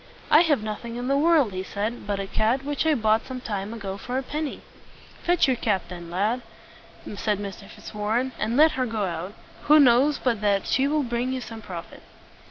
"I have nothing in the world," he said, "but a cat which I bought some time ago for a penny." "Fetch your cat, then, my lad," said Mr. Fitzwarren, "and let her go out. Who knows but that she will bring you some profit?"